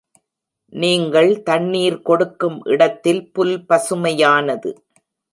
நீங்கள் தண்ணீர் கொடுக்கும் இடத்தில் புல் பசுமையானது.